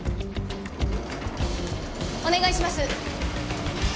お願いします。